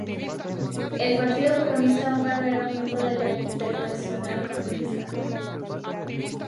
El Partido Comunista Húngaro era un miembro de la Internacional Comunista.